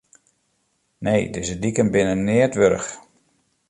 Nee, dizze diken binne neat wurdich.